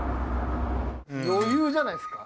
余裕じゃないですか。